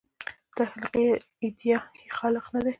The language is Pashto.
تخلیقي ایډیا یې خلاق نه دی.